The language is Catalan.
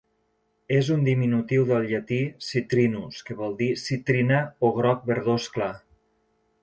És un diminutiu del llatí "citrinus", que vol dir "citrina" o "groc verdós clar".